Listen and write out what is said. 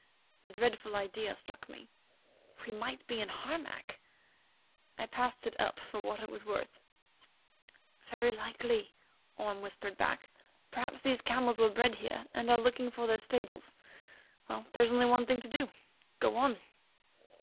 A dreadful idea struck me: we might be in Harmac! I passed it up for what it was worth. "Very likely," whispered Orme back. "Perhaps these camels were bred here, and are looking for their stables. Well, there is only one thing to do—go on."